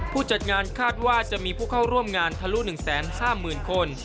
จัดงานคาดว่าจะมีผู้เข้าร่วมงานทะลุ๑๕๐๐๐คน